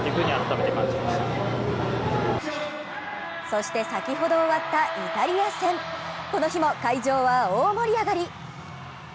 そして先ほど終わったイタリア戦、この日も会場は大盛り上がり。